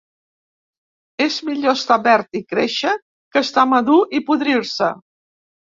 És millor estar verd i créixer que està madur i podrir-se.